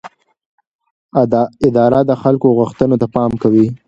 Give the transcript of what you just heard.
اداره د خلکو غوښتنو ته پام کوي.